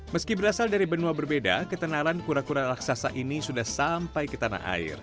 meski berasal dari benua berbeda ketenaran kura kura raksasa ini sudah sampai ke tanah air